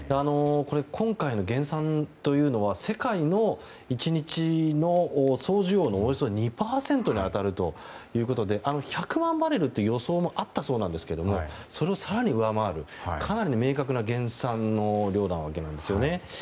今回の減産というのは世界の１日の総需要のおよそ２％に当たるということで１００万バレルっていう予想もあったそうなんですけどそれを更に上回るかなり明確な減産の量だということですね。